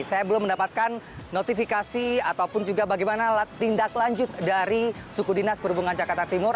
saya belum mendapatkan notifikasi ataupun juga bagaimana tindak lanjut dari suku dinas perhubungan jakarta timur